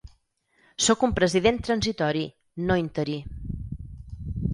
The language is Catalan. Sóc un president transitori, no interí.